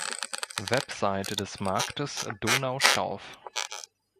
Webseite des Marktes Donaustauf